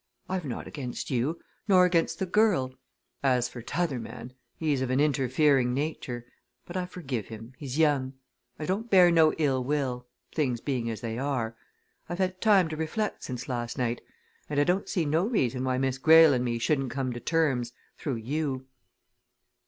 I've naught against you nor against the girl as for t'other young man, he's of a interfering nature but I forgive him he's young. I don't bear no ill will things being as they are. I've had time to reflect since last night and I don't see no reason why Miss Greyle and me shouldn't come to terms through you."